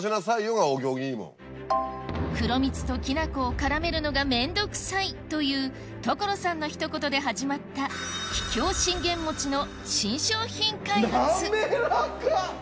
黒蜜ときな粉を絡めるのが面倒くさいという所さんのひと言で始まった信玄餅の。